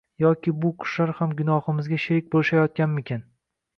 Yoki bu qushlar ham gunohimizga sherik bo’lishayotganmikan?